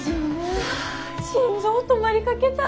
あ心臓止まりかけた。